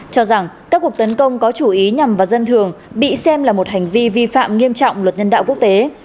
cho rằng các cuộc tấn công có chủ ý nhằm vào dân thường bị xem là một hành vi vi phạm nghiêm trọng luật nhân đạo quốc tế